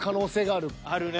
あるね。